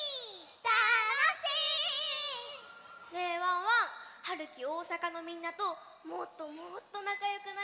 たのしい！ねえワンワン。はるきおおさかのみんなともっともっとなかよくなりたいな！